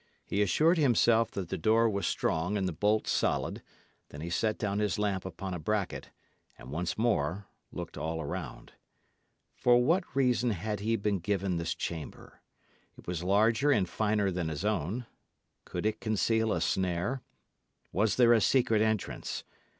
He assured himself that the door was strong and the bolt solid; then he set down his lamp upon a bracket, and once more looked all around. For what reason had he been given this chamber? It was larger and finer than his own. Could it conceal a snare? Was there a secret entrance?